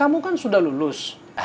kamu kan sudah lulus